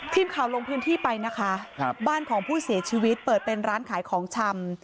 ทีมข่าวลงพื้นที่ไปนะคะครับบ้านของผู้เสียชีวิตเปิดเป็นร้านขายของชำ